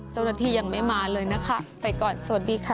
เจ้าหน้าที่ยังไม่มาเลยนะคะไปก่อนสวัสดีค่ะ